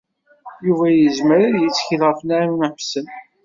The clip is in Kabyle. Yuba yezmer ad yettkel ɣef Naɛima u Ḥsen.